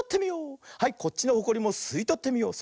はいこっちのホコリもすいとってみよう。